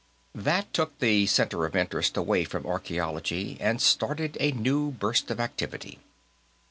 That took the center of interest away from archaeology, and started a new burst of activity.